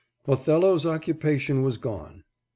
" Othello's occupation was gone."